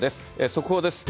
速報です。